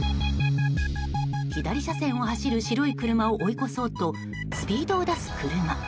左車線を走る白い車を追い越そうとスピードを出す車。